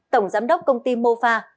tổng giám đốc công ty mofa